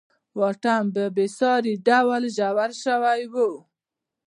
واټن په بېساري ډول ژور شوی و.